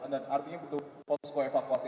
dan artinya butuh posko evakuasi